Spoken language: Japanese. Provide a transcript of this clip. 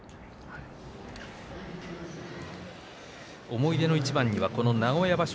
思い出の一番には名古屋場所